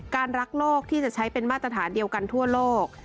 รักโลกที่จะใช้เป็นมาตรฐานเดียวกันทั่วโลก